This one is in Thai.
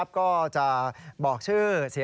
มีโดยมี